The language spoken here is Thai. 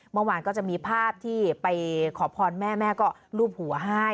เมื่อวานก็จะมีภาพที่ไปขอพรแม่แม่ก็ลูบหัวให้